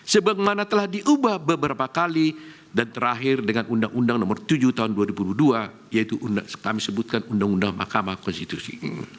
sebagaimana telah diubah beberapa kali dan terakhir dengan undang undang nomor tujuh tahun dua ribu dua yaitu kami sebutkan undang undang mahkamah konstitusi